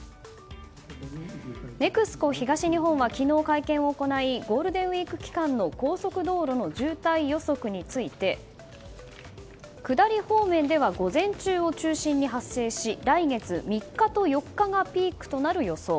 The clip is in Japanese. ＮＥＸＣＯ東日本は昨日、会見を行いゴールデンウィーク期間の高速道路の渋滞予測について下り方面では午前中を中心に発生し来月３日と４日がピークとなる予想。